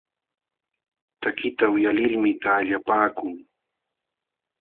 Takiqta uyalilmi taqllapaakun.